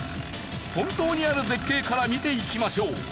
本当にある絶景から見ていきましょう。